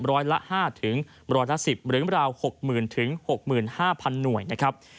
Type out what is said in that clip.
ร้อยละ๕๑๐หรือราว๖๐๐๐๐๖๕๐๐๐หน่วยนะครับ